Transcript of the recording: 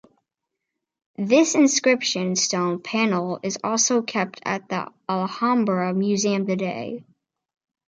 This inscription stone panel is also kept at the Alhambra Museum today.